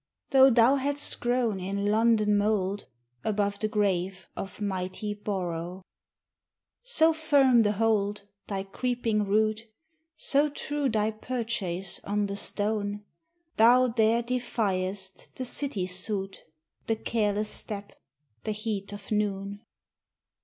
Though thou hadst grown in London mould, Above the grave of mighty Borrow. So firm the hold, thy creeping root, So true thy purchase on the stone, Thou there defiest the city soot, The careless step, the heat of noon.